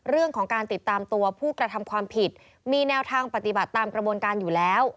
เรื่องของการติดตามตัวผู้กระทำความผิดมีแนวทางปฏิบัติตามกระบวนการอยู่แล้ว